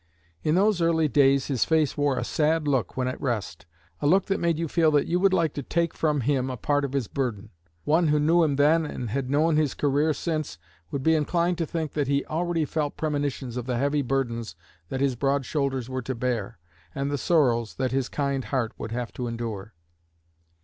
In those early days his face wore a sad look when at rest a look that made you feel that you would like to take from him a part of his burden. One who knew him then and had known his career since would be inclined to think that he already felt premonitions of the heavy burdens that his broad shoulders were to bear, and the sorrows that his kind heart would have to endure.